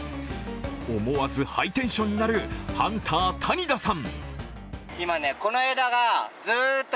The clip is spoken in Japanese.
思わずハイテンションになるハンター・谷田さん。